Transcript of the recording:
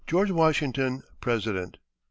WASHINGTON, President.